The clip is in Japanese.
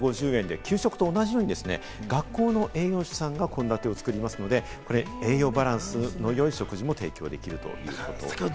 １食２５０円で給食と同じように学校の栄養士さんが献立を作りますので、栄養バランスの良い食事ができるということです。